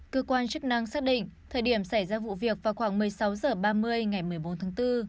cơ quan chức năng xác định thời điểm xảy ra vụ việc vào khoảng một mươi sáu h ba mươi ngày một mươi bốn tháng bốn